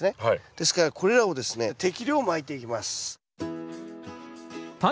ですからこれらをですね適量まいていきます。